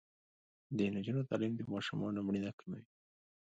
د نجونو تعلیم د ماشومانو مړینه کموي.